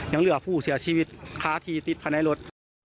ยังเหลือผู้เสียชีวิตค้าที่ติดภายในรถ